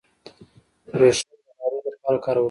وریښم د غالیو لپاره کارول کیږي.